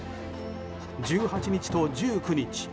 １８日と１９日